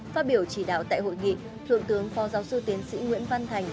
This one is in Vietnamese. phát biểu chỉ đạo tại hội nghị thượng tướng phó giáo sư tiến sĩ nguyễn văn thành